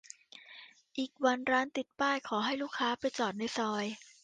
อีกวันร้านติดป้ายขอให้ลูกค้าไปจอดในซอย